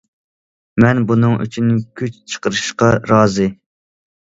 مەن بۇنىڭ ئۈچۈن كۈچ چىقىرىشقا رازى.